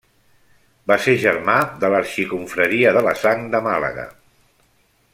Va ser germà de l'Arxiconfraria de la Sang de Màlaga.